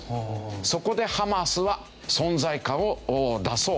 そこでハマスは存在感を出そう！